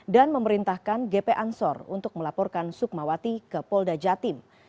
dan memerintahkan gp ansor untuk melaporkan soekmawati ke polda jatim